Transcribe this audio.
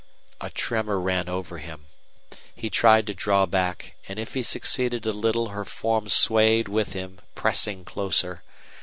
A tremor ran over him. He tried to draw back, and if he succeeded a little her form swayed with him, pressing closer.